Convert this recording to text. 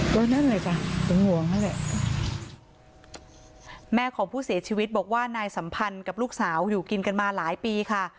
ตัวนั้นเลยจ่ะตัวนั้นแม่ของผู้เสียชีวิตบอกว่านายสัมพันธ์กับลูกสาวอยู่กินกันมาหลายปีค่ะ